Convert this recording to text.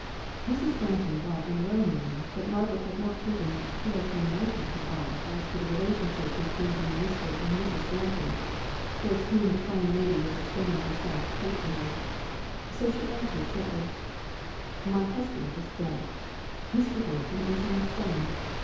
Mrs. Thornton thought in her own mind, that Margaret had not taken much care to enlighten her aunt as to the relationship between the Mr. and Mrs. Thornton, towards whom the fine lady aunt was extending her soft patronage; so she answered shortly, "My husband is dead. Mr. Thornton is my son.